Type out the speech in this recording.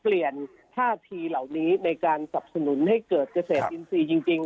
ท่าทีเหล่านี้ในการสับสนุนให้เกิดเกษตรอินทรีย์จริง